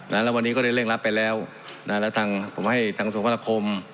นั้นแล้ววันนี้ก็ได้เรียกรับไปแล้วนั้นแล้วทางผมให้ทางส่วนภาคม